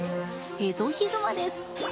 エゾヒグマです。